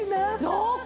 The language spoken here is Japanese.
濃厚！